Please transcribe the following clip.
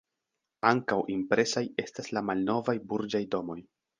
Ankaŭ impresaj estas la malnovaj burĝaj domoj.